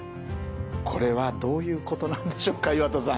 これはどういうことなんでしょうか岩田さん。